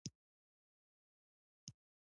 پاچا صاحب وویل نو دا سپی څه پاک دی.